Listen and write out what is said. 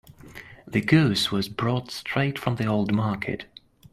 The goose was brought straight from the old market.